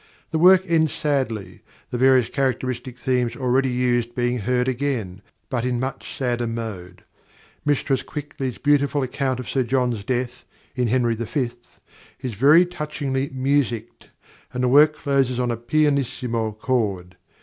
The work ends sadly, the various characteristic themes already used being heard again, but in much sadder mode: Mistress Quickly's beautiful account of Sir John's death (in Henry V.) is very touchingly musicked, and the work closes on a pianissimo chord.